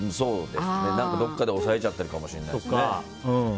どこかで抑えちゃってるかもしれないですね。